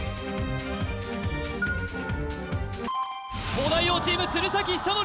東大王チーム鶴崎修功